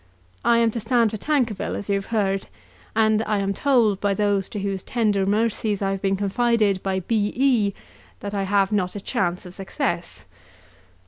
I am to stand for Tankerville, as you have heard, and I am told by those to whose tender mercies I have been confided by B. E. that I have not a chance of success.